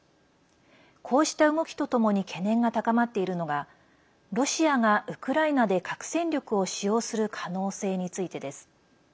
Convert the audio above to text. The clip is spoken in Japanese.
こうした動きとともに懸念が高まっているのがロシアがウクライナで核戦力を使用する可能性についてです。